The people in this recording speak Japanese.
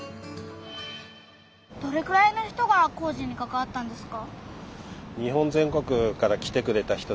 どれくらいの人が工事にかかわったんですか？